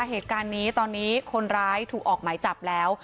เหตุการณ์นี้ตอนนี้คนร้ายถูกออกหมายจับแล้ว